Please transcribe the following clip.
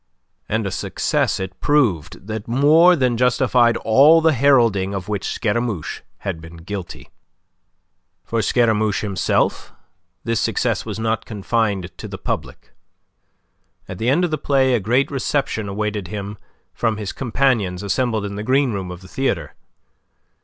And a success it proved that more than justified all the heralding of which Scaramouche had been guilty. For Scaramouche himself this success was not confined to the public. At the end of the play a great reception awaited him from his companions assembled in the green room of the theatre.